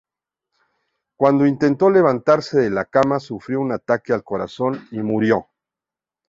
Cuando intentó levantarse de la cama, sufrió un ataque al corazón y murió.